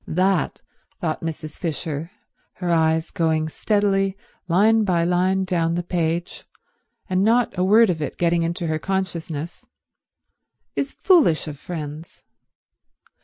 That, thought Mrs. Fisher, her eyes going steadily line by line down the page and not a word of it getting through into her consciousness, is foolish of friends.